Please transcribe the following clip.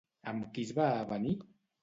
Amb qui es va avenir?